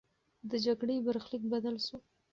د جګړې برخلیک بدل سو.